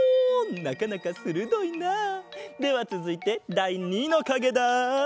なかなかするどいな！ではつづいてだい２のかげだ。